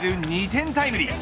２点タイムリー。